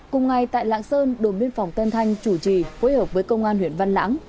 cùng ngày tại lạng sơn đồn biên phòng tân thanh chủ trì phối hợp với công an huyện văn lãng